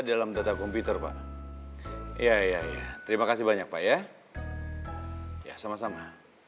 dalam data komputer pak iya iya terima kasih banyak pak ya ya sama sama